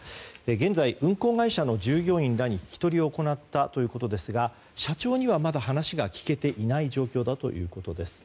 現在、運航会社の従業員らに聞き取りを行ったということですが社長には、まだ話を聞けていない状況だということです。